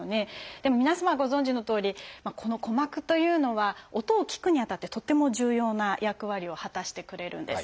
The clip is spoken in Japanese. でも皆様ご存じのとおりこの鼓膜というのは音を聞くにあたってとっても重要な役割を果たしてくれるんです。